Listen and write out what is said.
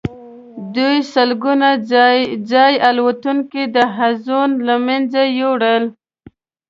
دوی سلګونه ځايي الوتونکي او حلزون له منځه یوړل.